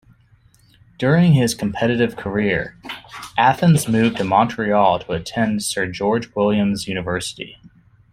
During his competitive career, Athans moved to Montreal to attend Sir George Williams University.